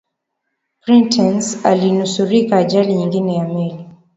prentice alinusurika ajali nyingine ya meli